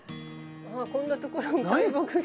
あこんなところに大木が。